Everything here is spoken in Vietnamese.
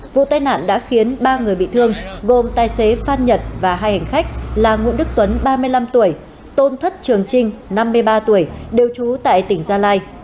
vụ tai nạn đã khiến ba người bị thương gồm tài xế phan nhật và hai hành khách là nguyễn đức tuấn ba mươi năm tuổi tôn thất trường trinh năm mươi ba tuổi đều trú tại tỉnh gia lai